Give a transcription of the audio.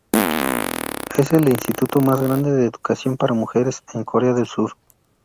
Es el instituto más grande de educación para mujeres en Corea del Sur.